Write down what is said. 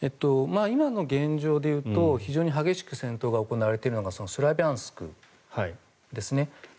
今の現状でいうと非常に激しく戦闘が行われているのがスラビャンスクですね。